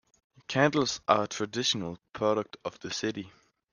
Candles are a traditional product of the city.